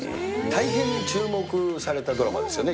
大変に注目されたドラマですよね。